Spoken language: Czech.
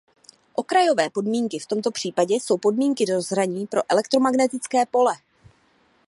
Okrajové podmínky v tomto případě jsou Podmínky rozhraní pro elektromagnetické pole.